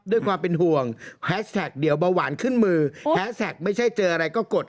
ด้วยความเป็นห่วงเดี๋ยวบาวหวานขึ้นมือไม่ใช่เจออะไรก็กด